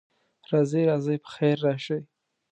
راځئ، راځئ، پخیر راشئ.